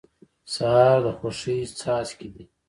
سهار د خوښۍ څاڅکي دي.